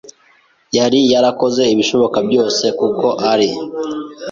yari yarakoze ibishoboka byose kuko ari